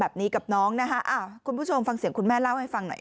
แบบนี้กับน้องนะคะคุณผู้ชมฟังเสียงคุณแม่เล่าให้ฟังหน่อย